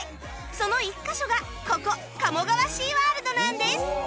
その１カ所がここ鴨川シーワールドなんです